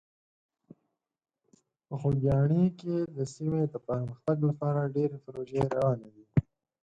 په خوږیاڼي کې د سیمې د پرمختګ لپاره ډېرې پروژې روانې دي.